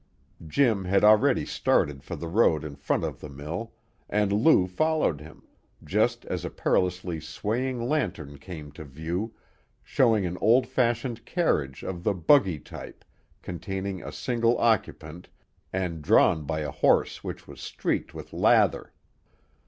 Jim had already started for the road in front of the mill, and Lou followed him, just as a perilously swaying lantern came to view, showing an old fashioned carriage of the "buggy" type containing a single occupant and drawn by a horse which was streaked with lather.